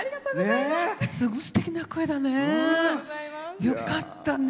すごいすてきな声だね。